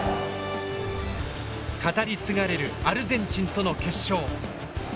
語り継がれるアルゼンチンとの決勝。